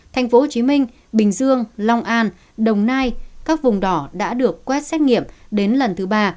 thành phố hồ chí minh bình dương long an đồng nai các vùng đỏ đã được quét xét nghiệm đến lần thứ ba